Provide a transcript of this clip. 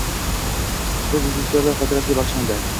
Ustoz rejissyor xotirasiga bag‘ishlandi